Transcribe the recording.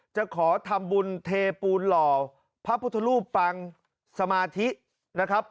จะขอทำบุญเทปูนหล่อพระพุทธรูปปังสมาธินะครับ